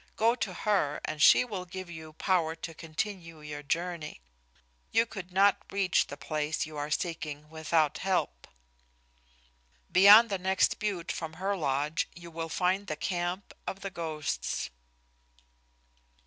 Go to her and she will give you power to continue your journey. You could not reach the place you are seeking without help. Beyond the next butte from her lodge you will find the camp of the ghosts."